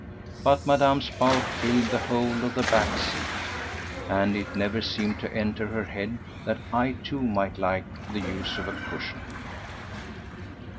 But Madame's bulk filled the whole of the back seat, and it never seemed to enter her head that I too might like the use of a cushion.